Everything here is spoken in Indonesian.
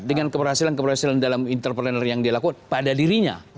dengan keberhasilan keberhasilan dalam entrepreneur yang dia lakukan pada dirinya